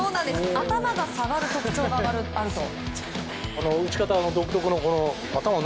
頭が下がる特徴があると。